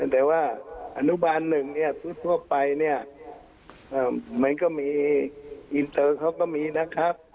แต่ว่าอนุบาลหนึ่งเนี่ยทั่วไปเนี่ยมันก็มีอินเตอร์เขาก็มีนะครับ